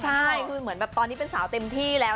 ใช่คือเหมือนแบบตอนนี้เป็นสาวเต็มที่แล้ว